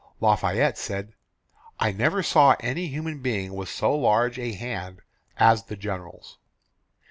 Lafayette said, "I never saw any human being with so large a hand as the General's."